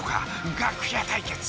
楽屋対決。